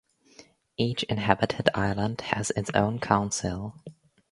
Each inhabited island has its own council.